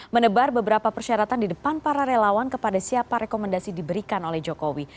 menebar beberapa persyaratan di depan para relawan kepada siapa rekomendasi diberikan oleh jokowi